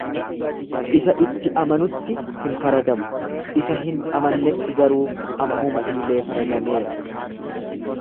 Isa itti amanutti hin fardamu, isa hin amannetti garuu ammuma illee fardameera.